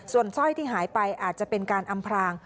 ส่วนสร้อยที่หายไปอาจจะเป็นการอำพราง